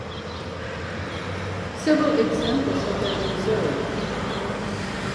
Several examples have been preserved.